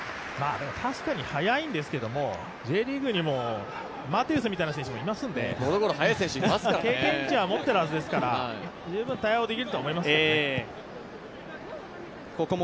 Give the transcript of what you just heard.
確かに速いんですけど、Ｊリーグにもマテウスみたいな選手もいますので経験値は持っているはずですから十分、対応できると思います。